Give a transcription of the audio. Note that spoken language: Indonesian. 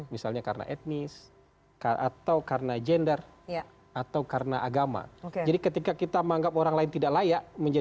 misalnya karena etnis atau karena gender atau karena agama